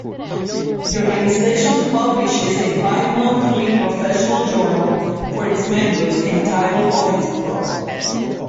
The organization publishes a bi-monthly professional journal for its members entitled Office Pro.